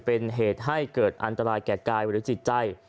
เป็นเหตุให้เกิดอันตรายแก่กายหรือจิตใจ